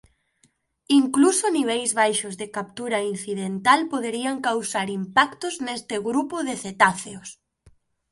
Incluso niveis baixos de captura incidental poderían causar impactos neste grupo de cetáceos.